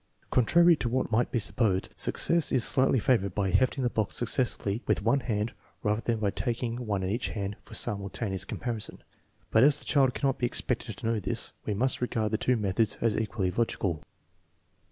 Contrary to what might be supposed, success is slightly favored by hefting the blocks successively with one hand rather than by taking one in each hand for simultaneous comparison, but as the child cannot be expected to know this, we must re gard the two methods as equally logical.